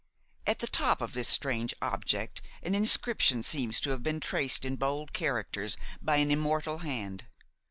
At the top of this strange object an inscription seemed to have been traced in bold characters by an immortal hand.